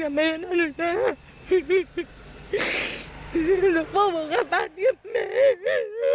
แล้วก็ยัดลงถังสีฟ้าขนาด๒๐๐ลิตร